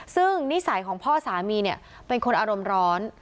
ซึ่งนิสัยของพ่อสามีเนี่ยเป็นคนอารมณ์ร้อน